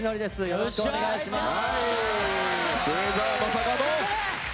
よろしくお願いします！